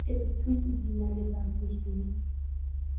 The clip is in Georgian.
ერთვის მდინარე ბარგუზინი.